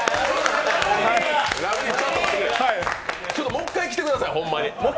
もう１回来てください、ホンマに。